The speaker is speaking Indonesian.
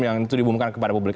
yang itu diumumkan kepada publik